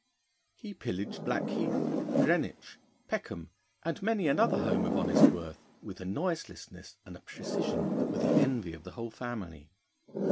He pillaged Blackheath, Greenwich, Peckham, and many another home of honest worth, with a noiselessness and a precision that were the envy of the whole family.